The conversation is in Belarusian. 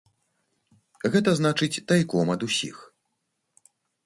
Гэта значыць тайком ад усіх.